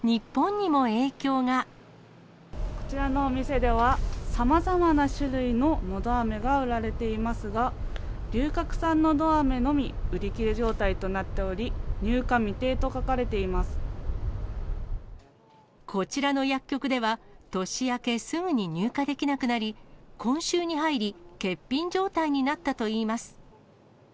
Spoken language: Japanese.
こちらのお店では、さまざまな種類ののどあめが売られていますが、龍角散のど飴のみ、売り切れ状態となっており、入荷未定と書かれこちらの薬局では、年明けすぐに入荷できなくなり、今週に入り欠品状態になったといいます。